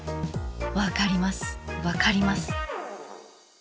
分かります分かります。